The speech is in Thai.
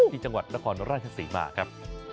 ที่จังหวัดนครราชสิงหมาครับ